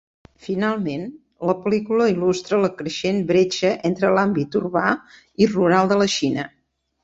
Finalment, la pel·lícula il·lustra la creixent bretxa entre l'àmbit urbà i rural de la Xina.